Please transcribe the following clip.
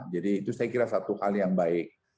jadi itu saya kira satu hal yang baik